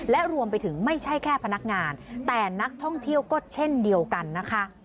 และรวมไปถึงไม่ใช่แค่พนักงานแต่นักท่องเที่ยวก็เช่นเดียวกันนะคะ